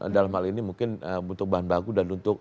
dalam hal ini mungkin untuk bahan bahan bagus dan untuk